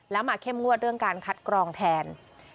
แล้วมาเข้มงวดเรื่องการคัดกรองแทน